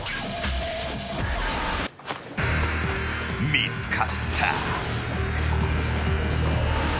［見つかった］